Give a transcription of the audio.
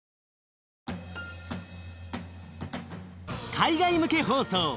海外向け放送